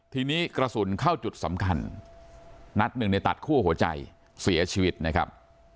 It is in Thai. ทีนี้กระสุนเข้าจุดสำคัญนัดหนึ่งในตัดคั่วหัวใจเสียชีวิตนะครับ